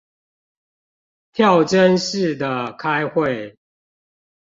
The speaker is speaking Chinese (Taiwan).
跳針式的開會